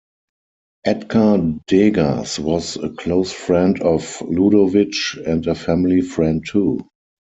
Edgar Degas was a close friend of Ludovic and a family friend too.